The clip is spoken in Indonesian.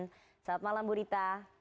selamat malam bu rita